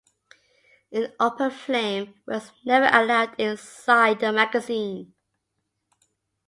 An open flame was never allowed inside the magazine.